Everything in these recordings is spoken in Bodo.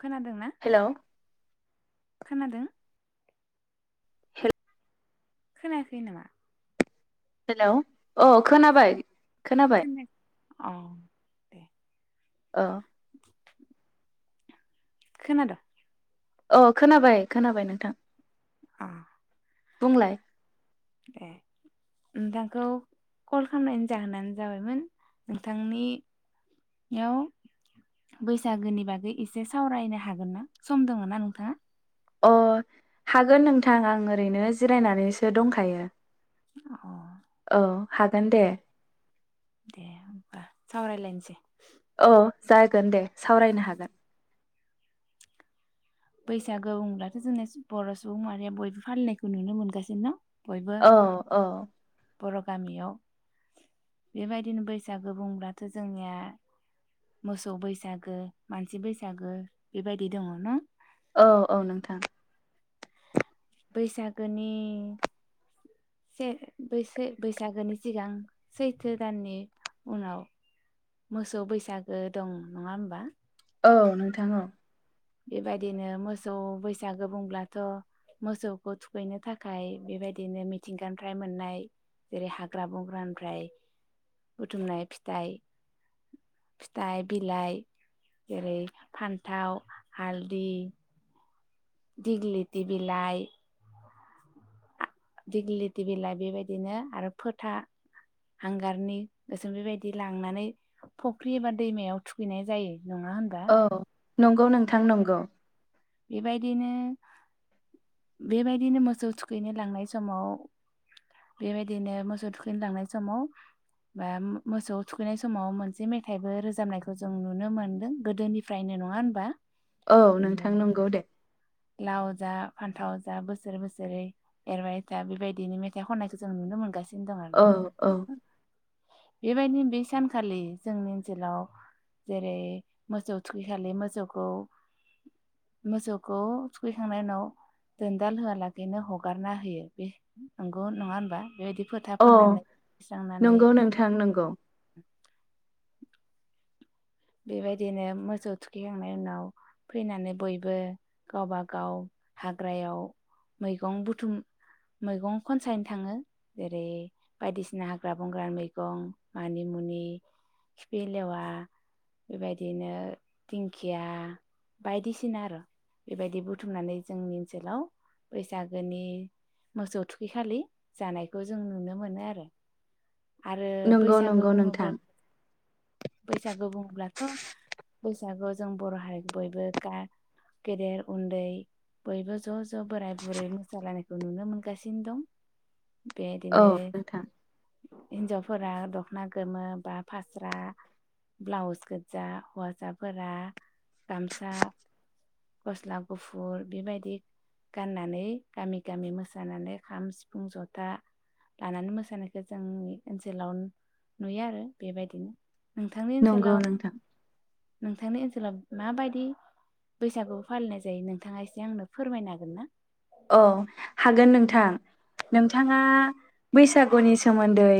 खोनादों ना? हेलौ खोनादों [unintelligible] खोनायाखै नामा? हेल' अ खोनाबाय। खोनाबाय खोनायाख औ दे ओ खोनादो अ खोनाबाय खोनाबाय नोंथां। अ बुंंलाय ए नोंथांखौ कल खालामनायनि जाहोनानो जाबायमोन नोंथांनि याव बैसागोनि बागै एसे सावरायनो हागोन ना सम दङ ना नोंथाङा? अ हागोन नोंथां आं ओरैनो जिरायनानैसो दंखायो। औ अह हागोन दे। दे होमबा सावरायलायनोसै। औ जागोन दे सावरायनो हागोन। बैसागु बुंब्लाथ' जोंना बर' सुबुं माहारिया बयबो फालिनायखौ नुनो मोनगासिनो न? बयबो औ औ बर' गामियाव बेबायदिनो बैसागो बुंब्लाथ' जोंनिया मोसौ बैसागो मानसि बैसागो बेबायदि दङ। औ औ नोंथां बैसागोनि बे बेसे बैसागोनि सिगां सैथो दाननि उनाव मोसौ बैसागो दं नङा होमबा? औ नोंथां औ। बेबायदिनो मोसौ बैसागो बुंब्लाथ' मोसौखौ थुखैनो थाखाय बेबायदिनो मिथिंगानिफ्राय मोननाय जेरै हाग्रा बंग्रानिफ्राय बुथुमनाय फिथाइ फिथाइ बिलाइ जेरै फानथाव हालदि दिगलिथि बिलाइ दिग्लिलिथि बिलाइ बेबायदिनो आरो फोथा हांगारनि गोसोम बेबायदि लांनानै फख्रि एबा दैमायाव थुखैनाय जायो। नङा होनबा औ नंगौ नोंथां नंगौ। बेबायदिनो बेबायदिनो मोसौ थुखैनो लांनाय समाव बेबायदिनो मोसौ थुखैनो लांनाय समाव बा म मोसौ थुखैनाय समाव मोनसे मेथाइबो रोजाबनायखौ जों नुनो मोनदों। गोदोनिफ्रायनो नङा होनबा? औ बिदिनो नोंथां नंगौ। दे लाव जा फान्थाव जा बोसोर बोसोरै एरबाय था बेबायदिनो मेथाइ खननायखौ जों नुनो मोनगासिनो। बिदिनो दं औ औ आरोना बेबायदिनो बै सानखालि जोंनि ओनसोलाव जेरै मोसौ थुखैखालि मोसौखौ मोसौखौ थुखैखांनायनि उनाव दोनदाल होआलाखैनो हगारना होयो बे नंगौ नङा होनबा बेबायदि फोथा अ फोननानै स्रांनानै नंगौ नोंथां नंगौ। बेबायदिनो मोसौ थुखैखांनायनि उनाव फैनानै बयबो गावबा गाव हाग्रायाव मैगं बुथुम मैगं खनसायनो थाङो जेरै बायदिसिना हाग्रा बंग्राानि मैगं मानि मुनि खिफि लेवा बेबायदिनो दिंखिया बायदिसिना आरो बेबायदि बुथुमनानै जोंनि ओनसोलाव बैसागोनि मोसौ थुखै खालि जानायखौ जों नुनो मोनो आरो। आरो नंगौ बैसागो नंगौ नोंथां बुङोब्ला बैसागो बुं अब्लाथ' बैसागुआव जों बर' हारिखौ बयबो गा गेदेर उन्दै बयबो ज' ज' बोराय बुरै मोसालायनायखौ नुनो मोनगासिनो दं औ बेदिनो नोंथां हिनजावफोरा दख'ना गोमो बा फास्रा ब्लाउस गोजा हौवासाफोरा गामसा गस्ला गुफुर बेबायदि गाननानै गामि गामि मोसानानै खाम सिफुं जथा लानानै मोसानायखौ जोंनि ओनसोलाव नुयो आरो बेबायदिनो नोंथांनि नंगौ ओनसोलाव नोंथां नोंथांनि ओनसोल फोलाब माबायदि बैसागु फालिनाय जायो नोंथाङा एसे आंनो फोरमायनो हागोन ना औ हागोन नोंथां नोंथां नोंथाङा बैसागुनि सोमोन्दै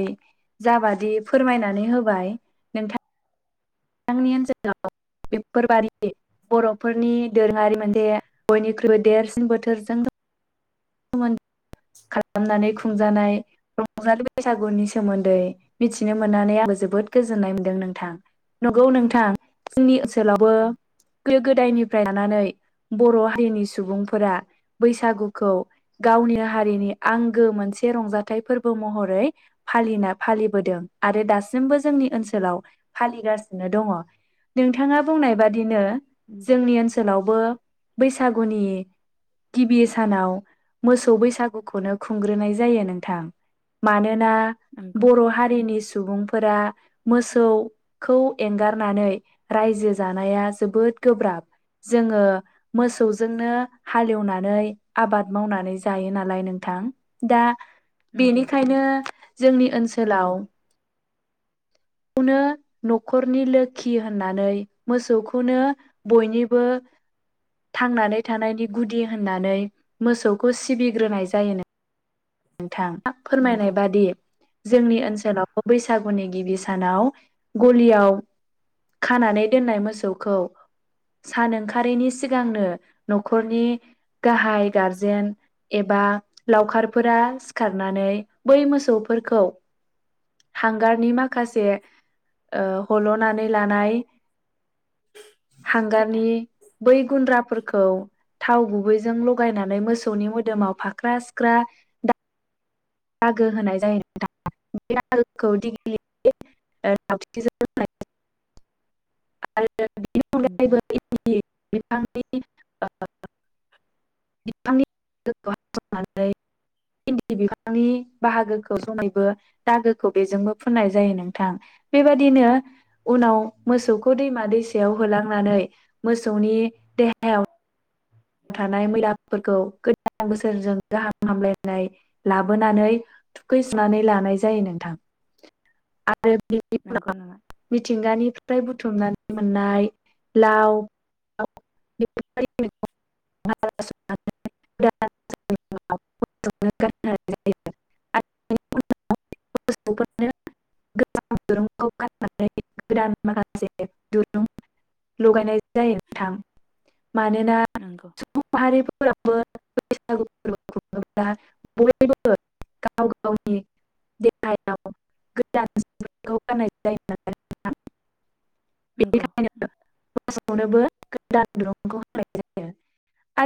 जाबादि फोरमायनानै होबाय नोंथां नोंथांनि ओनसोलाव बेफोरबादि बर'फोरनि दोरोङारि मोनसे बयनिख्रुइबो देरसिन बोथोरजों सोमोन खालामनानै खुंजानाय रंजालि बैसागुनि सोमोन्दै मिथिनो मोननानै आंबो जोबोद गोजोननाय मोनदों नोंथां नंगौ नोंथां जोंनि ओनसोलावबो नंगौ गोदो गोदायनिफ्राय लानानै बर' हारिनि सुबुंफोरा बैसागुखौ गावनि हारिनि आंगो मोनसे रंजाथाइ फोरबो महरै फालिना फालिबोदों आरो दासिमबो जोंनि ओनसोलाव फालिगासिनो दङ नोंथाङा बुंनाय बादिनो जोंनि ओनसोलाव बो बैसागुनि गिबि सानाव स बैसागुखौनो खुंग्रोनाय जायो नोंथां। मानोना नंगौ बर' हारिनि सुबुं फोरा मोसौखौ एंगारनानै रायजो जानाया जोबोद गोब्राब जोङो मोसौजोंनो हालेवनानै आबाद मावनानै जायो नालाय नोंथां दा नंगौ बेनिखायनो जोंनि ओनसोलाव खौनो न'खरनि लोखि होननानै मोसौखौनो बयनिबो थांनानै थानायनि गुदि होननानै मोसौखौ सिबिग्रोनाय जायोनो नोंथां आ फोरमायनाय नंगौ बादि जोंनि ओनसोलाव बैसागुनि गिबि सानाव गलियाव खानानै दोननाय मोसौखौ सान ओंखारैनि सिगांनो न'खरनि गाहाय गारजेन एबा लावखार फोरा सिखारनानै बै मोसौफोरखौ हांगारनि माखासे हल'नानै लानाय खोथा हांगारनि बै गुन्द्राफोरखौ थाव गुबैजों लगायनानै मोसौनि मोदोमाव फाख्रा सिख्रा दा दागो होनाय जायो नोंथां [unintelligible] बिनि नंगौ अगायैबो [unintelligible] [unintelligible] नि बाहागोखौ समैबो दागोखौ बेजोंबो फुननाय जायो नोंथां बेबायदिनो उनाव मोसौखौ दैमा दैसायाव होलांनानै मोसौनि देहायाव थानाय मैलाफोरखौ गोद दान बोसोरजों गाहाम हामलायनाय लाबोनानै थुखैसुनानै लानाय जायो नोंथां। आरो बिनि नंगौ उनाव नङा मिथिंगानि फ्राय बुथुमनानै मोननाय लाव [unintelligible] गोदान माखासे दुरुं लगायनाय जायो नोंथां मानोना नंगौ [unintelligible] [inaudible] नंगौ बेनिखायनो मोसौनोबो [unintelligible]